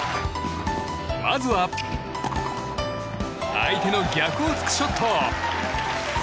まずは相手の逆を突くショット。